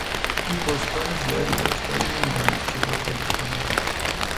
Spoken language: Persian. او پشتکار زیادی داشت ولی نمیدانست چطور فکر کند.